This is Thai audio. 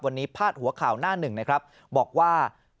วันนี้พาดหัวข่าวหน้าหนึ่งนะครับบอกว่า